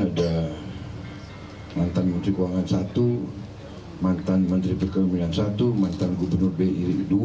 ada mantan menteri keuangan i mantan menteri pekerjaan i mantan gubernur bi ii